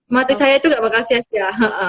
mati saya itu nggak bakal sia sia